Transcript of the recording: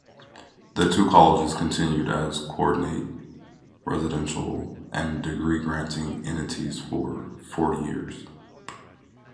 The two colleges continued as coordinate residential and degree-granting entities for forty years.